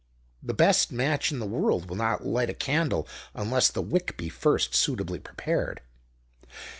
The best match in the world will not light a candle unless the wick be first suitably prepared."